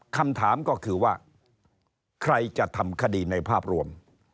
คำถามก็คือว่าใครจะทำคดีในภาพรวม